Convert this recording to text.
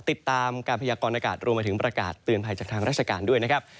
ติดตามการพยากรณากาศรวมไปถึงประกาศเตือนภัยจากทางราชการด้วยนะครับ